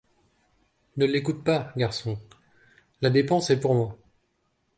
Ne l’écoute pas, garçon ; la dépense est pour moi.